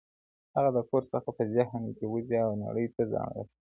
هغه د کور څخه په ذهن کي وځي او نړۍ ته ځان رسوي,